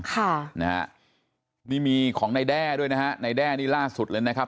ค่ะนะฮะนี่มีของนายแด้ด้วยนะฮะในแด้นี่ล่าสุดเลยนะครับ